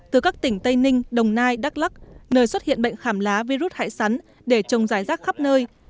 từ các tỉnh tây ninh đồng nai đắk lắc nơi xuất hiện bệnh khảm lá virus hại sắn để trồng giải rác khắp nơi